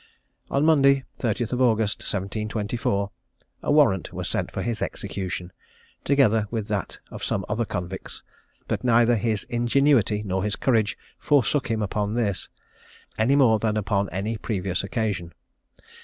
On Monday, 30th August, 1724, a warrant was sent for his execution, together with that of some other convicts, but neither his ingenuity nor his courage forsook him upon this, any more than upon any previous occasion.